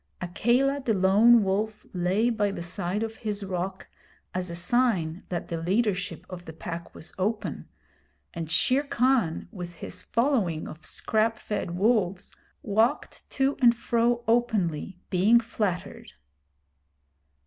Akela the lone wolf lay by the side of his rock as a sign that the leadership of the Pack was open, and Shere Khan with his following of scrap fed wolves walked to and fro openly being flattered.